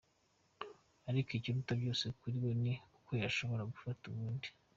Ariko ikiruta byose kuri we ni uko yashoboye gufasha abandi.